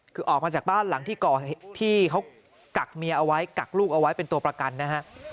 คือออกมาจากบ้านหลังที่ที่เขากักเมียเอาไว้กักลูกเอาไว้เป็นตัวประกันนะฮะ